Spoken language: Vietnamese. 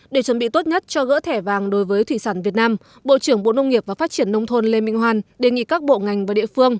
để chuẩn bị tốt nhất cho gỡ thẻ vàng đối với thủy sản việt nam bộ trưởng bộ nông nghiệp và phát triển nông thôn lê minh hoan đề nghị các bộ ngành và địa phương